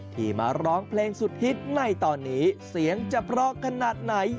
ที่มาร้องเพลงสุดฮิตในตอนนี้เสียงจะเพราะขนาดไหน